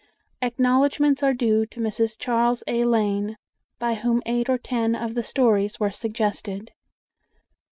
Acknowledgments are due to Mrs. Charles A. Lane, by whom eight or ten of the stories were suggested.